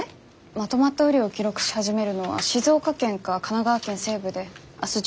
まとまった雨量を記録し始めるのは静岡県か神奈川県西部で明日１４日の夜９時ぐらいかと。